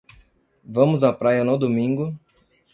Vamos à praia no domingo